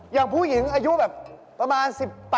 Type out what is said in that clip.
อย่างผู้หญิงอายุแบบประมาณ๑๘